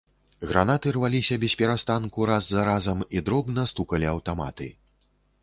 Гранаты рваліся бесперастанку раз за разам, і дробна стукалі аўтаматы.